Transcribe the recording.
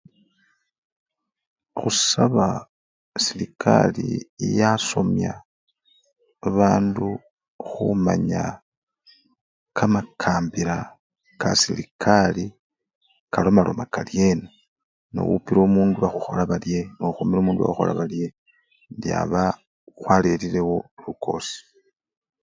Khusaba serekari yasomya babandu khumanya kamakambila kaserekari kalomaloma karyena, nowupile omundu bakhukhola barye, nokhomile omundu bakhukhola barye, indyaba khwalerirewo lukosi.